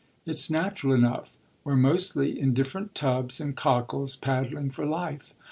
It's natural enough; we're mostly in different tubs and cockles, paddling for life.